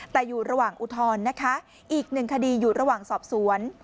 แต่อยู่ระหว่างอุทธรณ์นะคะอีกหนึ่งคดีอยู่ระหว่างสอบสวน